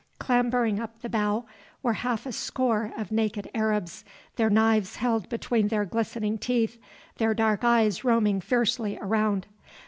Clambering up the bow were half a score of naked Arabs, their knives held between their glistening teeth, their dark eyes roaming fiercely around.